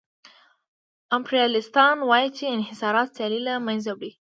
امپریالیستان وايي چې انحصارات سیالي له منځه وړي